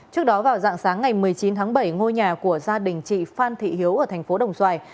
trước đó vào dạng sáng ngày một mươi chín tháng bảy ngôi nhà của gia đình chị phan thị hiếu ở thành phố đồng xoài